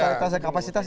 tidak ada kapasitas